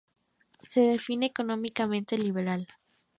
Se define como económicamente liberal.